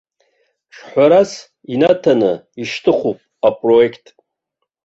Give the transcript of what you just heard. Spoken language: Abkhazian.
Ҿҳәарас инаҭаны ишьҭыхуп апроект.